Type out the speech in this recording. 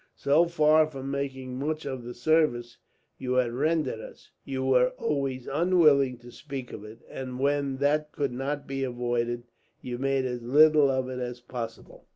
So far from making much of the service you had rendered us, you were always unwilling to speak of it; and when that could not be avoided, you made as little of it as possible.